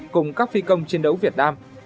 cùng các phi công chiến đấu việt nam